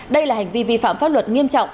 đây là hành vi vi phạm pháp luật nghiêm trọng